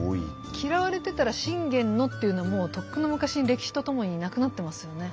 嫌われてたら「信玄の」っていうのはもうとっくの昔に歴史とともになくなってますよね。